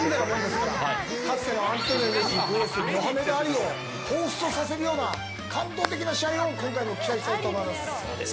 かつてのアントニオ猪木とモハメド・アリの試合をほうふつとさせるような感動的な試合を今回も期待したいと思います。